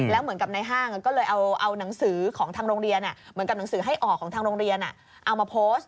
และห้างก็เลยเอาหนังสือแบบนังสือให้ออกของทางโรงเรียนเอามาโพสต์